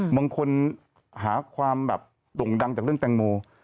บางคนหาความแบบด่งดังจากเรื่องแตงโม